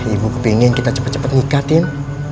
ibu kepengen kita cepet cepet nikah tin